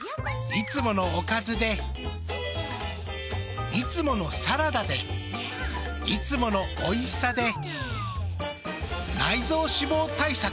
いつものおかずでいつものサラダでいつものおいしさで内臓脂肪対策。